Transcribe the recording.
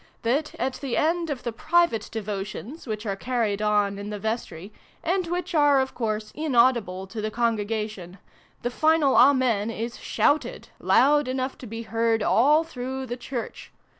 that, at the end of the private de votions, which are carried on in the vestry, and which are of course inaudible to the Congregation, the final PREFACE. xxi " Amen " is shouted, loud enough to be heard all through the Church.